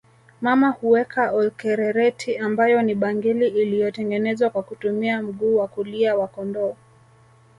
Mama huweka Olkererreti ambayo ni bangili iliyotengenezwa kwa kutumia mguu wa kulia wa kondoo